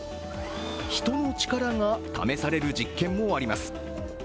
人の力が試される実験もあります。